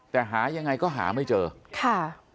แต่หายังไงก็หาไม่เจอค่ะ